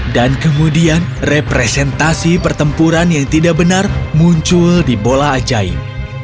dan kemudian representasi pertempuran yang tidak benar muncul di bola ajaib